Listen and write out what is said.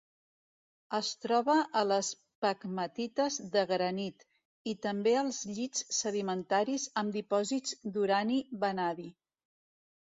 Es troba a les pegmatites de granit, i també als llits sedimentaris amb dipòsits d'urani-vanadi.